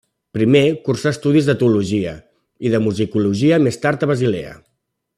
Primer cursà estudis de teologia i de musicologia més tard a Basilea.